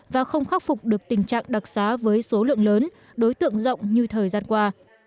và không khắc phục được tình trạng đặc xá với số lượng lớn đối tượng rộng như thời gian qua